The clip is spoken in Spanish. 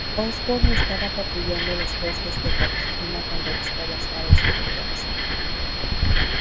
Osborn estaba patrullando las costas de Cartagena cuando avistó las naves de Duquesne.